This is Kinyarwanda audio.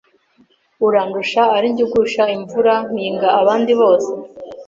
urandusha ari jye ugusha imvura mpiga abandi bose